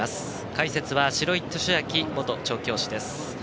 解説は白井寿昭元調教師です。